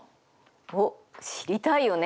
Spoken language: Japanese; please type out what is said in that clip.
おっ知りたいよね？